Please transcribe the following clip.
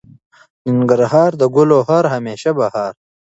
ننګرهار د ګلو هار او همیشه بهار.